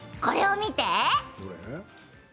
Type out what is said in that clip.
これを見て！